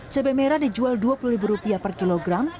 cabai merah dijual rp dua puluh per kilogram